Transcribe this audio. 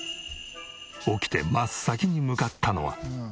起きて真っ先に向かったのは。